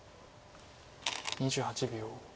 ２８秒。